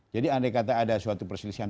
jadi andai kata ada suatu perselisihan